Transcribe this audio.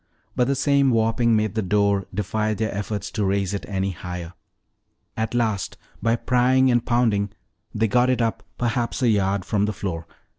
But the same warping made the door defy their efforts to raise it any higher. At last, by prying and pounding, they got it up perhaps a yard from the floor.